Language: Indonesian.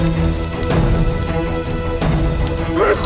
ada apaan sih